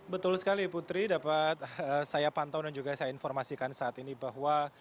betul sekali putri dapat saya pantau dan juga saya informasikan saat ini bahwa